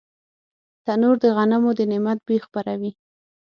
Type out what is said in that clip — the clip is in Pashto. تنور د غنمو د نعمت بوی خپروي